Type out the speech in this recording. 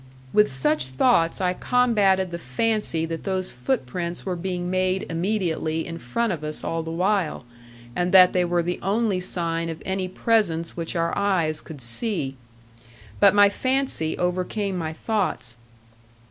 With such thoughts I combated the fancy that those footprints were being made immediately in front of us all the while, and that they were the only sign of any presence which our eyes could see. But my fancy overcame my thoughts.